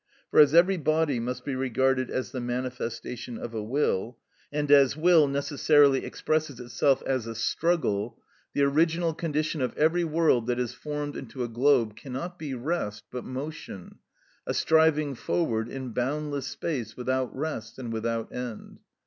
For as every body must be regarded as the manifestation of a will, and as will necessarily expresses itself as a struggle, the original condition of every world that is formed into a globe cannot be rest, but motion, a striving forward in boundless space without rest and without end.